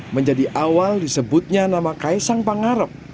menjadi awal disebutnya nama kaisang pangarep